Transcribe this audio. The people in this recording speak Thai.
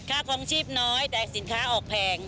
ค่าความชีพน้อยแต่สินค้าออกแพง